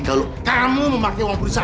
kalau kamu tidak bisa